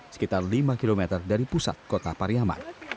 sekitar lima km dari pusat kota pariyaman